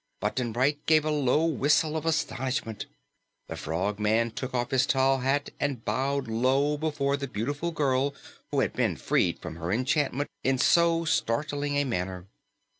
Button Bright gave a low whistle of astonishment. The Frogman took off his tall hat and bowed low before the beautiful girl who had been freed from her enchantment in so startling a manner.